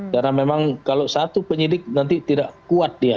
karena memang kalau satu penyidik nanti tidak kuat dia